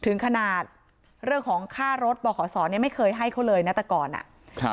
ถึงขนาดเรื่องของค่ารถบขศเนี่ยไม่เคยให้เขาเลยนะแต่ก่อนอ่ะครับ